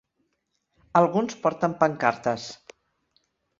Alguns porten pancartes.